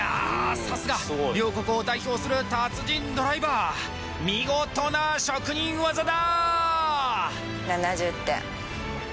さすが両国を代表する達人ドライバー見事な職人技だ！